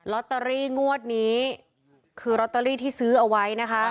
ลอตเตอรี่งวดนี้คือลอตเตอรี่ที่ซื้อเอาไว้นะคะ